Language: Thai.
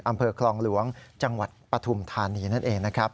อำเภอคลองหลวงจังหวัดปฐุมธานีนั่นเองนะครับ